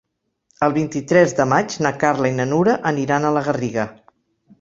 El vint-i-tres de maig na Carla i na Nura aniran a la Garriga.